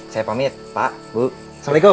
saya pamit pak bu assalamualaikum